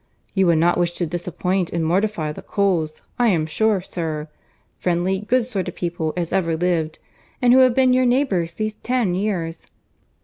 You would not wish to disappoint and mortify the Coles, I am sure, sir; friendly, good sort of people as ever lived, and who have been your neighbours these ten years."